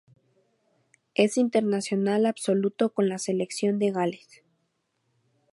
Es internacional absoluto con la selección de Gales.